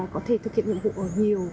có thể thực hiện nhiệm vụ ở nhiều